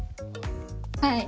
はい。